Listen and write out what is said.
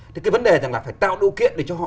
thì cái vấn đề là phải tạo đủ kiện để cho họ